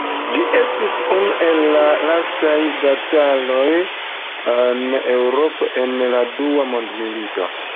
Ĝi estis unu el la lastaj bataloj en Eŭropo en la Dua Mondmilito.